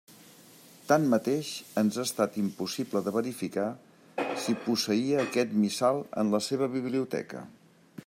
Tanmateix, ens ha estat impossible de verificar si posseïa aquest missal en la seva biblioteca.